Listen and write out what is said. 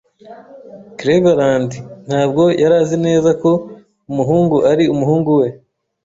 Cleveland ntabwo yari azi neza ko umuhungu ari umuhungu we.